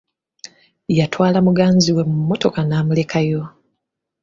Yatwala muganzi we mu mmotoka n'amulekayo.